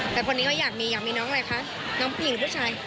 แต่คนนี้เขาอยากมีอยากมีน้องอะไรคะน้องผู้หญิงหรือผู้ชาย